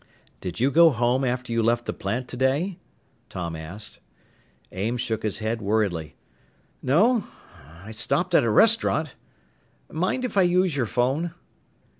"Did you go home after you left the plant today?" Tom asked. Ames shook his head worriedly. "No, I stopped at a restaurant. Mind if I use your phone?"